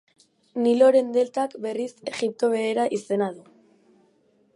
Niloren deltak, berriz, Egipto Beherea izena du.